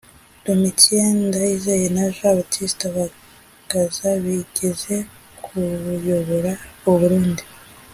Domitien Ndayizeye na Jean Baptiste Bagaza bigeze kuyobora u Burundi